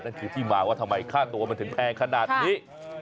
ที่มาว่าทำไมค่าตัวมันถึงแพงขนาดนี้